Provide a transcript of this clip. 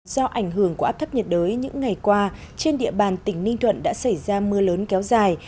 do ảnh hưởng của áp thấp nhiệt đới những ngày qua trên địa bàn tỉnh ninh thuận đã xảy ra mưa lớn kéo dài